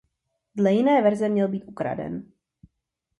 Dle jiné verze měl být ukraden.